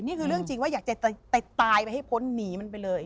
นี่คือเรื่องจริงว่าอยากจะตายไปให้พ้นหนีมันไปเลย